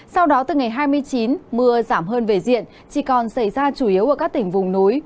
sau đó từ ngày hai mươi chín mưa giảm hơn về diện chỉ còn xảy ra chủ yếu ở các tỉnh vùng núi